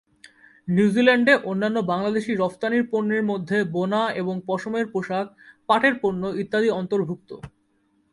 নিউজিল্যান্ডে অন্যান্য বাংলাদেশি রফতানির পণ্যের মধ্যে বোনা এবং পশমের পোশাক, পাটের পণ্য ইত্যাদি অন্তর্ভুক্ত।